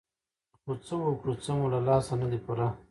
خو څه وکړو څه مو له لاسه نه دي پوره.